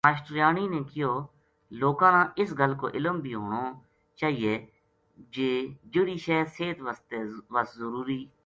ماشٹریانی نے کہیو لوکاں نا اس گل کو علم بھی ہونو چاہیے جے جہڑی شے صحت وس ضروری